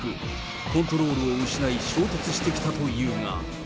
コントロールを失い、衝突してきたというが。